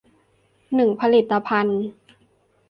หนึ่งผลิตภัณฑ์